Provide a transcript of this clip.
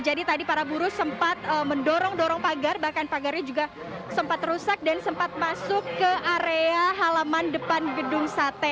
jadi tadi para buruk sempat mendorong dorong pagar bahkan pagarnya juga sempat rusak dan sempat masuk ke area halaman depan gedung sate